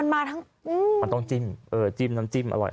มันต้องจิ้มน้ำจิ้มอร่อย